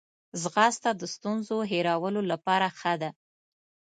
ځغاسته د ستونزو هیرولو لپاره ښه ده